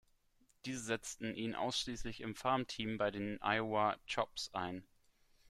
Diese setzten ihn ausschließlich im Farmteam bei den Iowa Chops ein.